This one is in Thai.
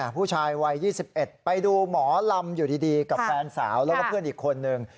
ผู้ชายวัย๒๑ไปดูหมอลำอยู่ดีกับแฟนสาวแล้วก็เพื่อนอีกคนนึง